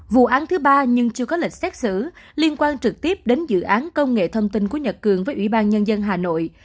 vụ án thứ ba nhưng chưa có lịch xét xử liên quan trực tiếp đến dự án công nghệ thông tin của nhật cường với ủy ban nhân dân hà nội